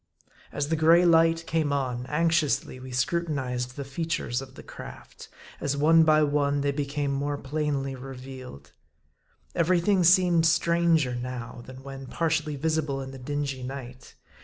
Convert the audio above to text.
As the gray light came on, anxiously we scrutinized the features of the craft, as one by one they became more plainly revealed. Every thing seemed stranger now, than when partially visible in the dingy night.